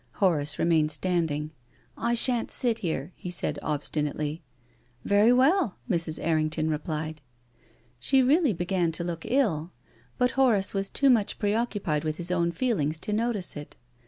Horace re mained standing. " I shan't sit here," he said obstinately. " Very well," Mrs. Errington replied. She really began to look ill, but Horace was too much preoccupied with his own feelings to notice it.